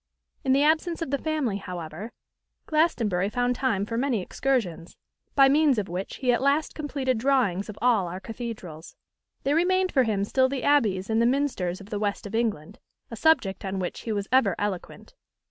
In the absence of the family, however, Glastonbury found time for many excursions; by means of which he at last completed drawings of all our cathedrals. There remained for him still the abbeys and the minsters of the West of England, a subject on which he was ever eloquent.